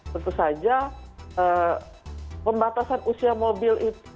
tentu saja pembatasan usia mobil itu